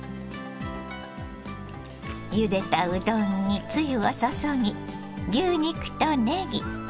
ゆでたうどんにつゆを注ぎ牛肉とねぎ。